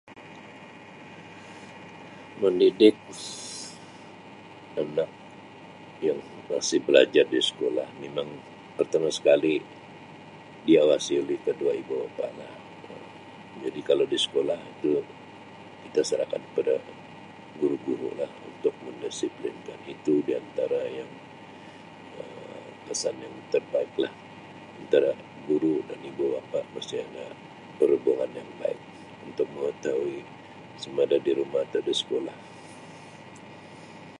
Mendidik anak yang masih belajar di sekolah memang pertama sekali diawasi oleh kedua ibu bapa lah Um jadi kalau di sekolah [unintelligible] kita serahkan kepada guru-guru lah untuk mendisiplinkan itu diantara yang Um kesan yang terbaik lah antara guru dan ibu bapa [unintelligible] perhubungan yang baik untuk mengetahui sama ada di rumah atau di sekolah.